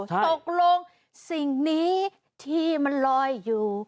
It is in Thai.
ตกลงสิ่งนี้ที่มันลอยอยู่